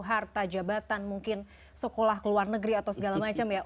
harta jabatan mungkin sekolah ke luar negeri atau segala macam ya